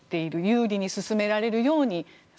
有利に進められるように。